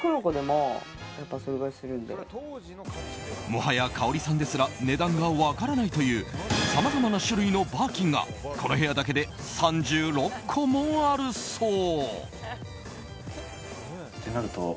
もはや、かおりさんですら値段が分からないというさまざまな種類のバーキンがこの部屋だけで３６個もあるそう。